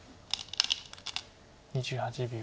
２８秒。